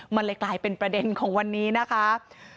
มันเลยกลายเป็นประเด็นของวันนี้นะคะ